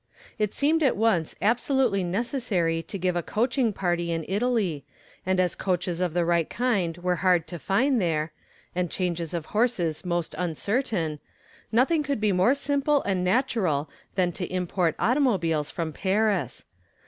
It seemed at once absolutely necessary to give a coaching party in Italy, and as coaches of the right kind were hard to find there, and changes of horses most uncertain, nothing could be more simple and natural than to import automobiles from Paris.